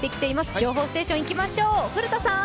情報ステーションいきましょう。